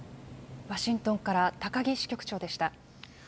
ワシントンから高木支局長でした。